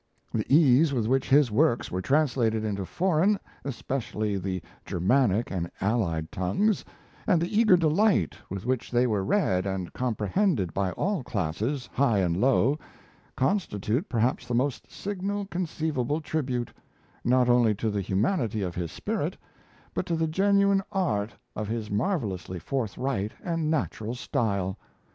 The ease with which his works were translated into foreign, especially the Germanic and allied tongues, and the eager delight with which they were read and comprehended by all classes, high and low, constitute perhaps the most signal conceivable tribute, not only to the humanity of his spirit, but to the genuine art of his marvellously forthright and natural style.